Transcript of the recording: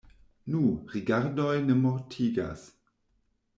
Nu, rigardoj ne mortigas.